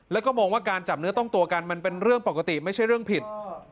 แล้วก็มองว่าการจับเนื้อต้องตัวกันมันเป็นเรื่องปกติไม่ใช่เรื่องผิด